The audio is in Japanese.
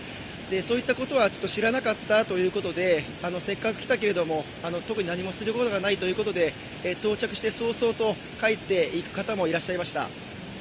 そういったことは知らなかったということでせっかく来たけれども特に何もすることがないということで到着して早々と帰って行く方もいらっしゃいました。